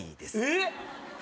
えっ！？